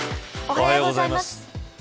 おはようございます。